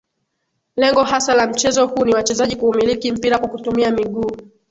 Lengo hasa la mchezo huu ni wachezaji kuumiliki mpira kwa kutumia miguu